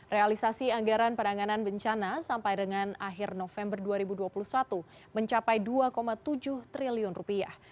realisasi anggaran penanganan bencana sampai dengan akhir november dua ribu dua puluh satu mencapai dua tujuh triliun rupiah